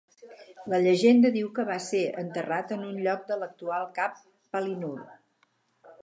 La llegenda diu que va ser enterrat en un lloc de l'actual Cap Palinur.